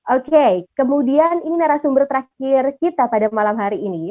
oke kemudian ini narasumber terakhir kita pada malam hari ini